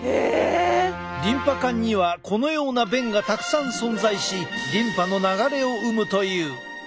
リンパ管にはこのような弁がたくさん存在しリンパの流れを生むという。